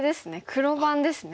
黒番ですね。